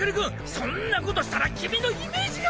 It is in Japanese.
そんなことしたら君のイメージが！